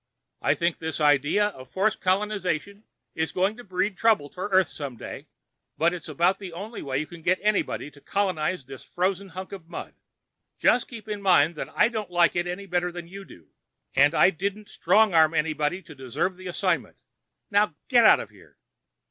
I think this idea of forced colonization is going to breed trouble for Earth someday, but it is about the only way you can get anybody to colonize this frozen hunk of mud. "Just keep it in mind that I don't like it any better than you do—and I didn't strong arm anybody to deserve the assignment! Now get out of here!"